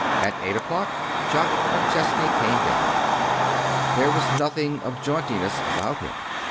At eight o'clock Jock McChesney came down. There was nothing of jauntiness about him.